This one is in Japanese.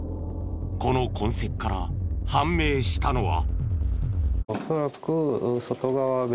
この痕跡から判明したのは。